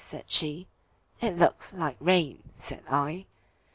said she;"It looks like rain," said I.